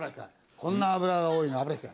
こんな脂が多いの油引かない。